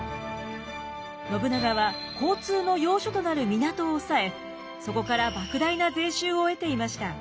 信長は交通の要所となる港を押さえそこからばく大な税収を得ていました。